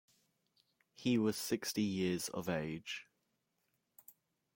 He was sixty years of age.